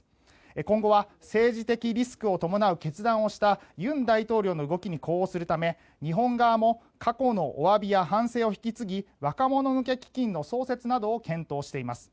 今後は政治的リスクを伴う決断をした尹大統領の動きに呼応するため日本側も過去のおわびや反省を引き継ぎ若者向け基金の創設などを検討しています。